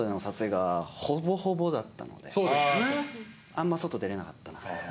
あんま外出れなかったなって。